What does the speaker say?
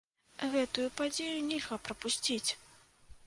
Гэтую падзею нельга прапусціць!